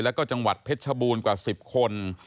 แล้วก็จังหวัดเพชรชบูรณ์กว่า๑๐คน